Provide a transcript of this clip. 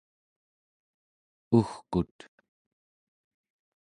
ugkut